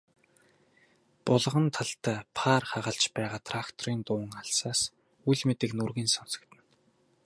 Булган талд паар хагалж байгаа тракторын дуун алсаас үл мэдэг нүргэн сонстоно.